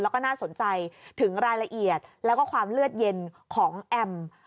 แล้วก็น่าสนใจถึงรายละเอียดแล้วก็ความเลือดเย็นของแอม